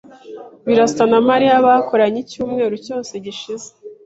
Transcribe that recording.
Birasa na Mariya bakoranye icyumweru cyose gishize.